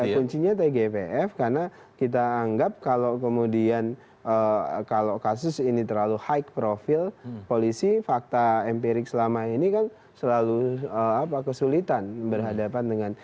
kuncinya tgpf karena kita anggap kalau kemudian kalau kasus ini terlalu high profil polisi fakta empirik selama ini kan selalu kesulitan berhadapan dengan